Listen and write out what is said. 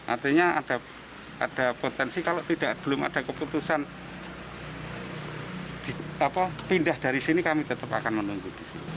artinya ada potensi kalau belum ada keputusan pindah dari sini kami tetap akan menunggu di sini